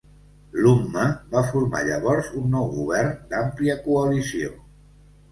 L'Umma va formar llavors un nou govern d'àmplia coalició.